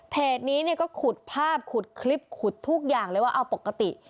นี้เนี่ยก็ขุดภาพขุดคลิปขุดทุกอย่างเลยว่าเอาปกติ